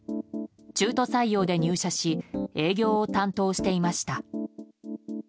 中途採用で入社し営業を担当していました。